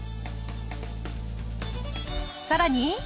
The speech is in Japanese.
さらに。